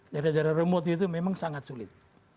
daerah daerah remote itu memang sangat sulit